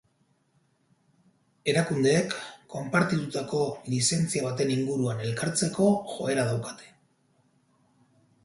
Erakundeek konpartitutako lizentzia baten inguruan elkartzeko joera daukate.